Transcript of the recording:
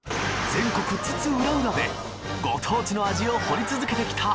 全国津々浦々でご当地の味を掘り続けてきた